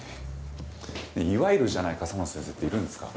いわゆるじゃない笠松先生っているんですか？